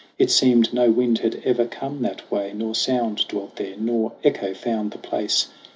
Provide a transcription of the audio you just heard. It seemed no wind had ever come that way, Nor sound dwelt there, nor echo found the place.